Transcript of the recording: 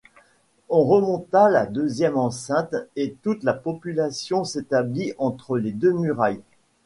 On remonta la deuxième enceinte et toute la population s'établit entre les deux murailles.